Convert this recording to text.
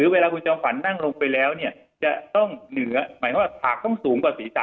เวลาคุณจอมฝันนั่งลงไปแล้วเนี่ยจะต้องเหนือหมายความว่าผากต้องสูงกว่าศีรษะ